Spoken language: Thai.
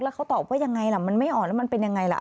แล้วเขาตอบว่ายังไงล่ะมันไม่อ่อนแล้วมันเป็นยังไงล่ะ